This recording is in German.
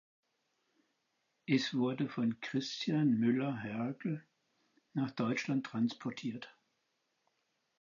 Es wurde von Christian Müller-Hergl nach Deutschland transportiert.